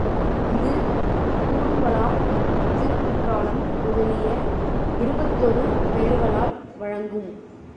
இது குறும்பலா, திருக்குற்றாலம் முதலிய இருபத்தொரு பெயர்களால் வழங்கும்.